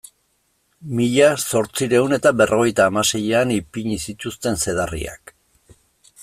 Mila zortziehun eta berrogeita hamaseian ipini zituzten zedarriak.